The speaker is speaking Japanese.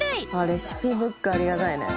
レシピブックありがたいね。